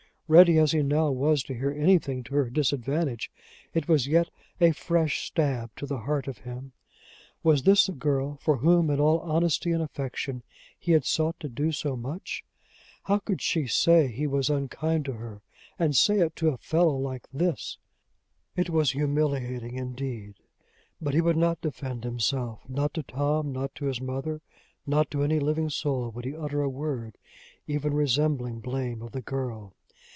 Ready as he now was to hear anything to her disadvantage, it was yet a fresh stab to the heart of him. Was this the girl for whom, in all honesty and affection, he had sought to do so much! How could she say he was unkind to her? and say it to a fellow like this? It was humiliating, indeed! But he would not defend himself. Not to Tom, not to his mother, not to any living soul, would he utter a word even resembling blame of the girl!